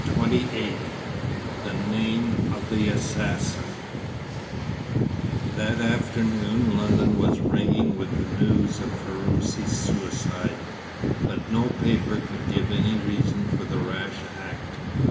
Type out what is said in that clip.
CHAPTER XXVIII THE NAME OF THE ASSASSIN That afternoon London was ringing with the news of Ferruci's suicide; but no paper could give any reason for the rash act.